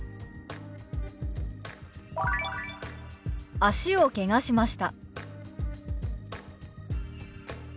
「脚をけがしました」。